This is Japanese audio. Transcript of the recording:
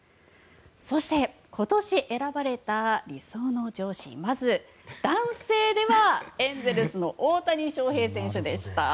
そして、今年選ばれた理想の上司まず男性では、エンゼルスの大谷翔平選手でした。